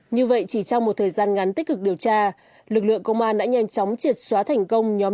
như vậy chỉ trong một thời gian ngắn tích cực điều tra lực lượng công an đã nhanh chóng triệt xóa thành công nhóm